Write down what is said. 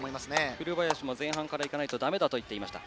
古林も前半からいかないとだめだと言っていました。